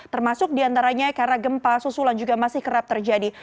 termasuk diantaranya karena gempa susulan juga masih kerap terjadi